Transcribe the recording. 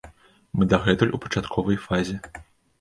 Мы дагэтуль у пачатковай фазе.